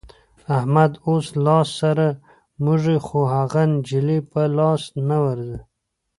احمد اوس لاس سره موږي خو هغه نجلۍ په لاس نه ورځي.